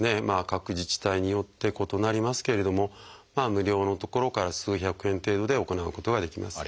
各自治体によって異なりますけれども無料のところから数百円程度で行うことができます。